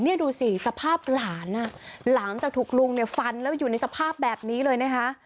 นี่ดูสิสภาพหลานอ่ะหลังจากถูกลุงเนี่ยฟันแล้วอยู่ในสภาพแบบนี้เลยนะคะ